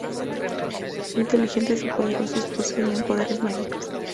Inteligentes y poderosos, poseían poderes mágicos.